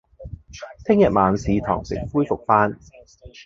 聽日晚市堂食恢復返